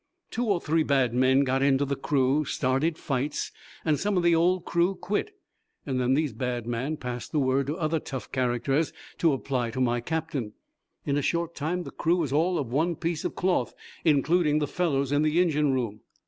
"Two or three bad men got into the crew, started fights, and some of the old crew quit. Then these bad men passed the word to other tough characters to apply to my captain. In a short time the crew was all of one piece of cloth, including the fellows in the engine room."